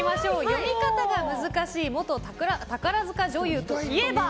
読み方が難しい元宝塚女優といえば？